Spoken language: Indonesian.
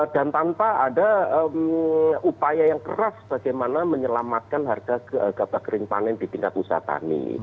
dan tanpa ada upaya yang keras bagaimana menyelamatkan harga gabah kering panen di tingkat usaha petani